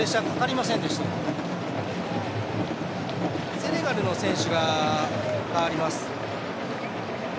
セネガルの選手が代わります。